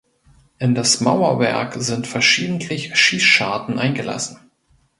In das Mauerwerk sind verschiedentlich Schießscharten eingelassen.